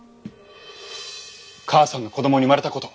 母さんの子供に生まれたこと。